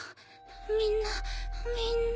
みんなみんな。